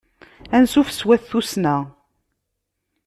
Ansuf s wat tussna.